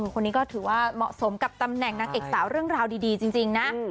คนนี้ก็ถือว่าเหมาะสมกับตำแหน่งนางเอกสาวเรื่องราวดีจริงนะ